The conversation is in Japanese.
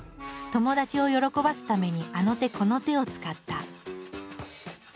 友達を喜ばすためにあの手この手を使った。